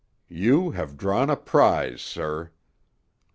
You have drawn a prize, sir."